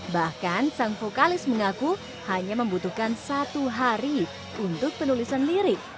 bahkan sang vokalis mengaku hanya membutuhkan satu hari untuk penulisan lirik